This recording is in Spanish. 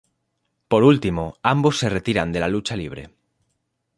Por último, ambos se retiran de la lucha libre.